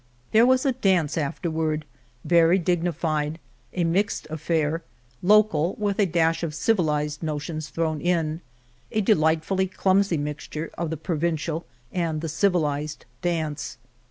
There was a dance afterward — very digni fied — a mixed affair — local, with a dash of civilized notions thrown in, a delightfully clumsy mixture of the provincial and the civilized dance.